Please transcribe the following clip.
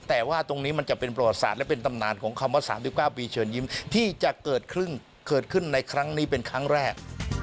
แต่ว่าตรงนี้มันจะเป็นประวัติศาสตร์และเป็นตำนานของคำว่า๓๙ปีเชิญยิ้มที่จะเกิดขึ้นในครั้งนี้เป็นครั้งแรก